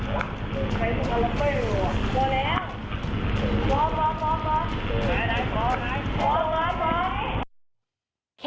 เคสนี้นะครับ